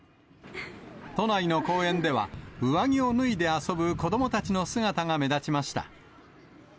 都内の公園では、上着を脱いで遊ぶ子どもたちの姿が目立ちました。